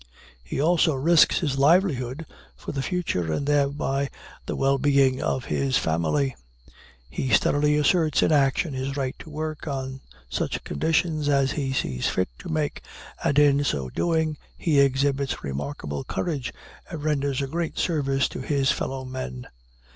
He also risks his livelihood for the future, and thereby the well being of his family. He steadily asserts in action his right to work on such conditions as he sees fit to make, and, in so doing, he exhibits remarkable courage, and renders a great service to his fellow men.